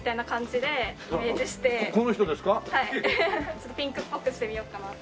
ちょっとピンクっぽくしてみようかなと。